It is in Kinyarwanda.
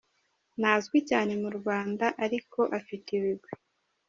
Ntazwi cyane mu Rwanda, ariko afite ibigwi.